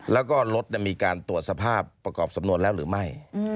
แล้วก็รถมีการตรวจสภาพประกอบสำนวนแล้วหรือไม่